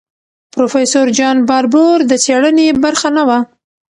پروفیسور جان باربور د څېړنې برخه نه وه.